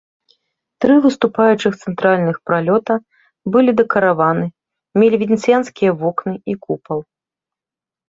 Тры выступаючых цэнтральных пралёта былі дэкараваны, мелі венецыянскія вокны і купал.